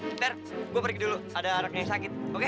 eh ter gue pergi dulu ada anaknya yang sakit oke